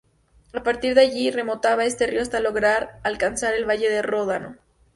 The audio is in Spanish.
A partir de ahí, remontaba ese río hasta lograr alcanzar el valle del Ródano.